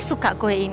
aku kurang agak l kick